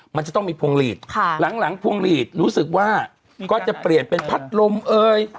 มันจะต้องมีพวงหลีดค่ะหลังพวงหลีดรู้สึกว่าก็จะเปลี่ยนเป็นพัดลมเอ่ย